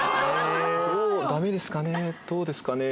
ダメですかね？